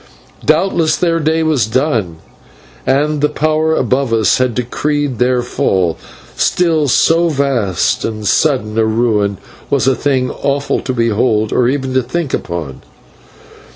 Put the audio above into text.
Doubtless their day was done, and the Power above us had decreed their fall; still, so vast and sudden a ruin was a thing awful to behold, or even to think upon.